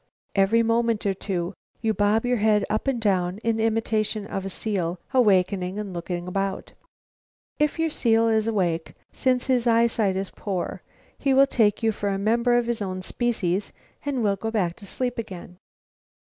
Every moment or two you bob your head up and down in imitation of a seal awakened and looking about. If your seal is awake, since his eyesight is poor he will take you for a member of his own species and will go back to sleep again.